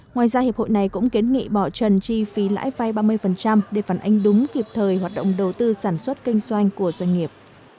ngoài ra hiệp hội này cũng kiến nghị bỏ trần chi phí lãi vay ba mươi để phản ánh đúng kịp thời hoạt động đầu tư sản xuất kinh doanh của doanh nghiệp